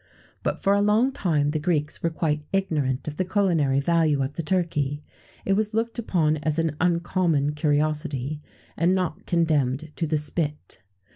[XVII 102] But for a long time the Greeks were quite ignorant of the culinary value of the turkey; it was looked upon as an uncommon curiosity, and not condemned to the spit.